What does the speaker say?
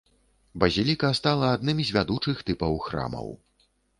Базіліка стала адным з вядучых тыпаў храмаў.